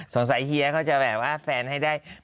สงสัยเฮียก็จะแบบว่าแฟนให้ได้